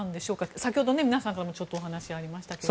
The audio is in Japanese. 先ほど、皆さんからもお話がありましたが。